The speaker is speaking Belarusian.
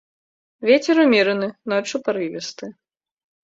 Вецер ўмераны, ноччу парывісты.